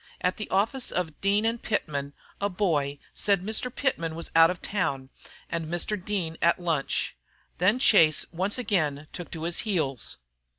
At the office of Dean & Pitman a boy said Mr. Pitman was out of town and Mr. Dean at lunch. Then Chase once again took to his heels.